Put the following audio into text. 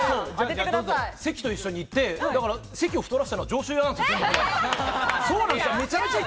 関と一緒に行って、関を太らせたのは上州屋なんですよ。